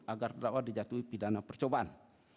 agar terdakwa dijatuhi pidana percobaan